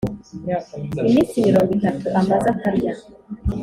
iminsi mirongo itatu amaze atarya